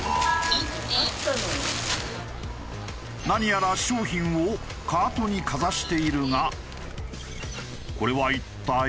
何やら商品をカートにかざしているがこれは一体？